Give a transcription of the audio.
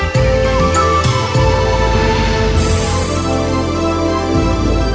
โชว์สี่ภาคจากอัลคาซ่าครับ